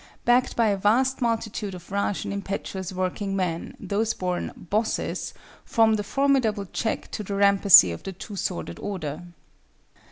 Backed by a vast multitude of rash and impetuous working men, those born "bosses" formed a formidable check to the rampancy of the two sworded order.